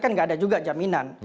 kan nggak ada juga jaminan